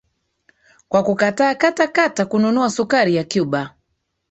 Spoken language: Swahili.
kwa kukataa kata kata kununua sukari ya Cuba